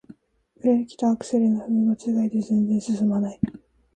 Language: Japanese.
ブレーキとアクセルを踏み間違えて全然すすまない